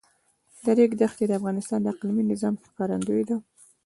د ریګ دښتې د افغانستان د اقلیمي نظام ښکارندوی ده.